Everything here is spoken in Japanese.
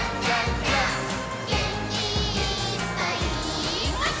「げんきいっぱいもっと」